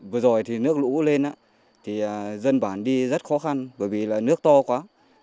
vừa rồi thì nước lũ lên thì dân bản đi rất khó khăn bởi vì là nước to quá